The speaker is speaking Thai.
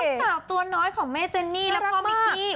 ลูกสาวตัวน้อยของแม่เจนหนี้และพ่อมิกกี้